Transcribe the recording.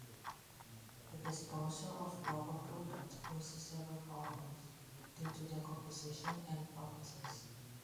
The disposal of rubber products poses several problems due to their composition and properties.